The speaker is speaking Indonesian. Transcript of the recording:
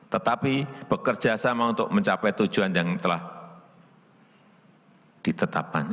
tetapi bekerja sama untuk mencapai tujuan yang telah ditetapkan